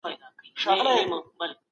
انتقاد بايد د اصلاح لپاره وي.